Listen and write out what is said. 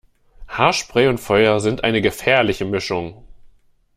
Haarspray und Feuer sind eine gefährliche Mischung